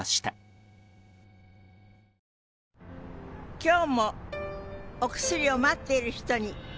今日もお薬を待っている人に。